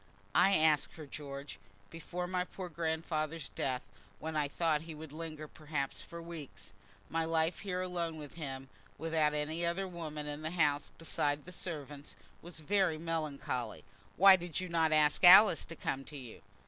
"I asked her, George, before my poor grandfather's death, when I thought that he would linger perhaps for weeks. My life here alone with him, without any other woman in the house beside the servants, was very melancholy." "Why did you not ask Alice to come to you?"